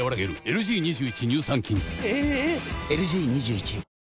⁉ＬＧ２１